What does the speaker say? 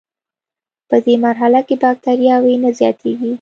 پدې مرحله کې بکټریاوې نه زیاتیږي.